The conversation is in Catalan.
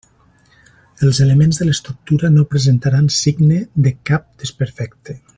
Els elements de l'estructura no presentaran signe de cap desperfecte.